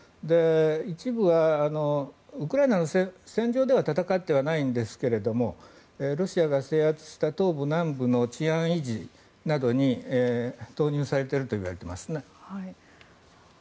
一部はウクライナの戦場では戦ってはないんですけどもロシアが制圧した東部、南部の治安維持などに投入されているといわれていますね。